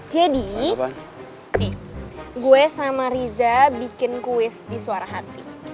jadi gue sama riza bikin kuis di suara hati